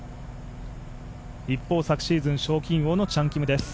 一方昨シーズン賞金王のチャン・キムです。